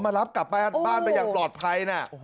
รับกลับบ้านไปอย่างปลอดภัยนะ